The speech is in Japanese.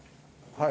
はい